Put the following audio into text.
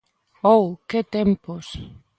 ¡Ouh, que tempos!